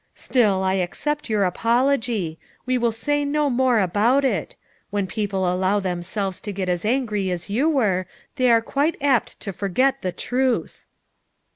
Still, I accept your apology; we will say no more about it; when people allow themselves to get as angry as you were, they are quite apt to forget the truth."